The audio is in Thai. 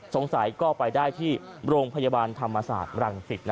สงสัยก็ไปได้ที่โรงพยาบาลธรรมศาสตร์รังสิต